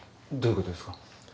どういう事ですか？